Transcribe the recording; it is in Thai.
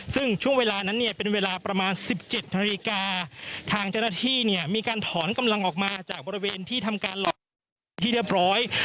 ซึ่งช่วงเวลานั้นเนี่ยเป็นเวลาประมาณสิบเจ็ดนาฬิกาทางเจ้าหน้าที่เนี่ยมีการถอนกำลังออกมาจากบริเวณที่ทำการหลอกลวงเป็นที่เรียบร้อย